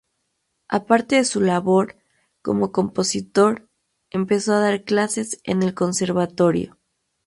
Aparte de su labor como compositor, empezó a dar clases en el Conservatorio.